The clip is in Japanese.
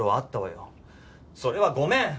それはごめん！